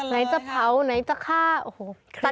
ไหนจะเผาไหนจะฆ่าโอ้โหเครียด